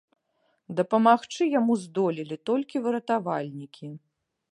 Дапамагчы яму здолелі толькі выратавальнікі.